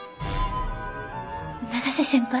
永瀬先輩？